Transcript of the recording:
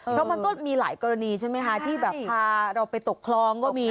เพราะมันก็มีหลายกรณีใช่ไหมคะที่แบบพาเราไปตกคลองก็มี